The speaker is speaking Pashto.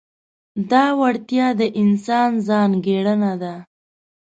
دا وړتیا د انسان ځانګړنه ده.